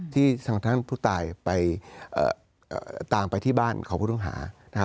ที่ท่านผู้ตายตามไปที่บ้านของผู้ตรงหา